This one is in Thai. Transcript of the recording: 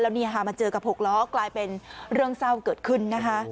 แล้วมันเจอกับหกล้อกลายเป็นเรื่องเศร้าเกิดขึ้น